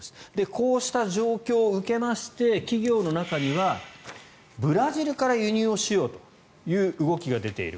こうした状況を受けまして企業の中にはブラジルから輸入をしようという動きが出ている。